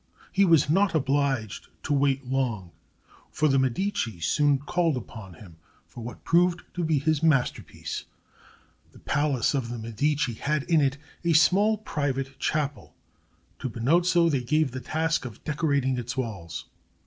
He was not obliged to wait long; for the Medici soon called upon him for what proved to be his masterpiece. The palace of the Medici had in it a small private chapel; to Benozzo they gave the task of decorating its walls.